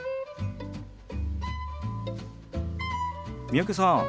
三宅さん